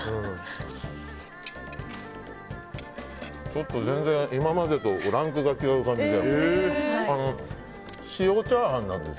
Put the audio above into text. ちょっと全然今までとランクが違う感じで。